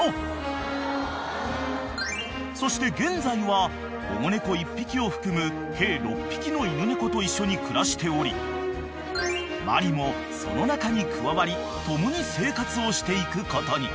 ［そして現在は保護猫１匹を含む計６匹の犬猫と一緒に暮らしておりマリもその中に加わり共に生活をしていくことに］